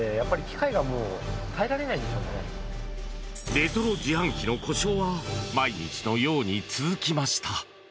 レトロ自販機の故障は毎日のように続きました。